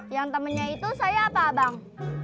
yang temennya itu saya apa bang